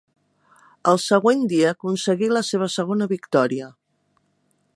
El següent dia aconseguí la seva segona victòria.